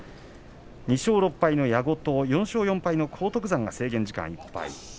２勝６敗の矢後と４勝４敗の荒篤山が制限時間いっぱいです。